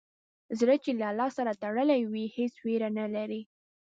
زړه چې له الله سره تړلی وي، هېڅ ویره نه لري.